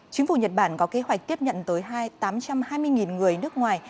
chính phủ nhật bản có kế hoạch tiếp nhận tới tám trăm hai mươi người nước ngoài